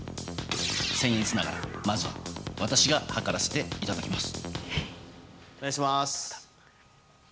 僭越ながら、まずは私が測らせていただきます。